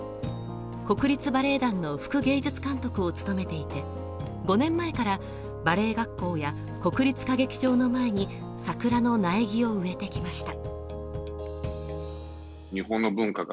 国立バレエ団の副芸術監督を務めていて５年前からバレエ学校や国立歌劇場の前に桜の苗木を植えてきました。